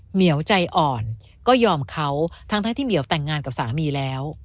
เหี่ยวใจอ่อนก็ยอมเขาทั้งที่เหมียวแต่งงานกับสามีแล้ว